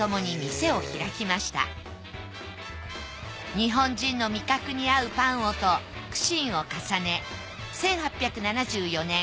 日本人の味覚に合うパンをと苦心を重ね１８７４年